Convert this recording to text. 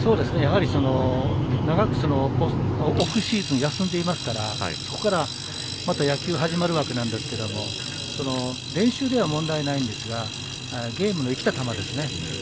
やはり、長くオフシーズン休んでいますからそこからまた野球が始まるわけですが練習では問題ないんですがゲームの生きた球ですね。